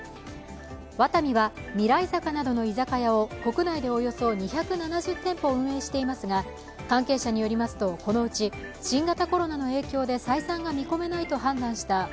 ワタミは、ミライザカなどの居酒屋を国内でおよそ２７０店舗運営していますが関係者によりますと、このうち新型コロナの影響で採算が見込めないと判断した